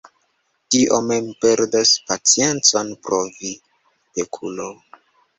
Dio mem perdos paciencon pro vi, pekulo!